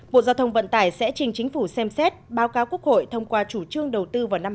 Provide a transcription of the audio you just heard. bộ giao thông vận tải sẽ trình chính phủ xem xét báo cáo quốc hội thông qua chủ trương đầu tư vào năm hai nghìn hai mươi